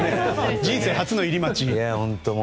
人生初の入待ち。